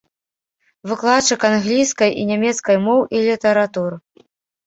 Выкладчык англійскай і нямецкай моў і літаратур.